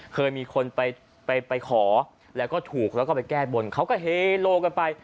เคยมีคนไปไปขอแล้วก็ถูกแล้วก็ไปแก้บนเขาก็เฮโลกันไป